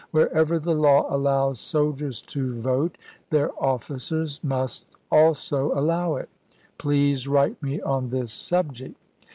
Wherever the law allows Eosecrans, soldiers to vote, their officers must also allow it. Please 1864? ' ms. write me on this subject.